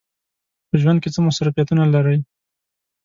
په ژوند کې څه مصروفیتونه لرئ؟